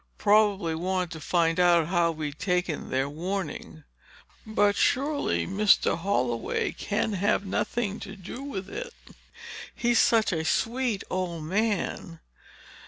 Probably wanted to find out how we'd taken their warning." "But surely Mr. Holloway can have nothing to do with it! He's such a sweet old man."